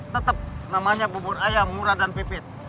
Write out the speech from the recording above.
tetap namanya bubur ayam murah dan pipit